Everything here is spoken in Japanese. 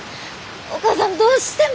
お母さんどうしても。